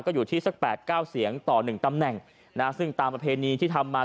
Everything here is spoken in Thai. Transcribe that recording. อยู่ที่สัก๘๙เสียงต่อ๑ตำแหน่งนะซึ่งตามประเพณีที่ทำมา